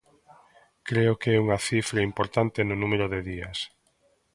Creo que é unha cifra importante no número de días.